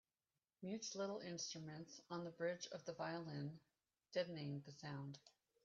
Mutes little instruments on the bridge of the violin, deadening the sound